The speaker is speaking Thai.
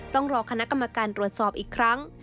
ต้องรอคณะกรรมการตรวจสอบอีกครั้ง